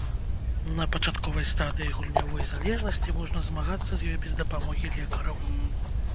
На пачатковай стадыі гульнявой залежнасці можна змагацца з ёй без дапамогі лекараў.